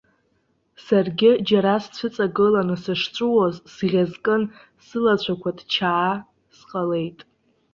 Саргьы џьара сцәыҵагыланы сышҵәуоз сӷьазкын, сылацәақәа ҭчаа сҟалеит.